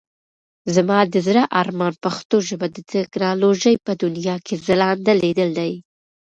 زما د زړه ارمان پښتو ژبه د ټکنالوژۍ په دنيا کې ځلانده ليدل دي.